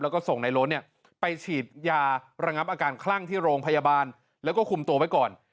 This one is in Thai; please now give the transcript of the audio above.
แล้วก็ส่งในโล้นเนี่ยไปฉีดยาระงับอาการคลั่งที่โรงพยาบาลแล้วก็คุมตัวไว้ก่อน